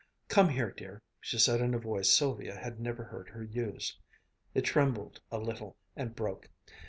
"Come here, dear," she said in a voice Sylvia had never heard her use. It trembled a little, and broke.